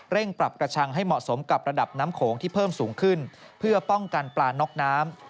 ปรับกระชังให้เหมาะสมกับระดับน้ำโขงที่เพิ่มสูงขึ้นเพื่อป้องกันปลาน็อกน้ำ